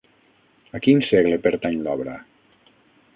A quin segle pertany l'obra?